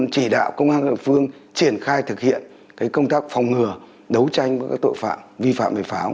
chỉ đạo công an c sáu triển khai thực hiện công tác phòng ngừa đấu tranh với các tội phạm vi phạm về pháo